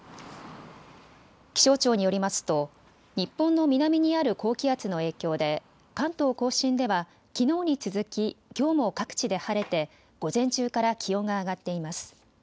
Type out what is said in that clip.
気象庁によりますと日本の南にある高気圧の影響で関東甲信では、きのうに続ききょうも各地で晴れて午前中から気温が上がっています。